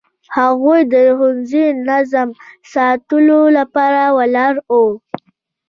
هغوی د ښوونځي نظم ساتلو لپاره ولاړ وو.